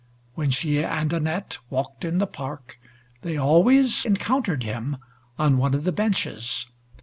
When she and Annette walked in the park, they always encountered him on one of the benches.